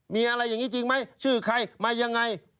มีอะไรอย่างนี้จริงไหมชื่อใครมายังไง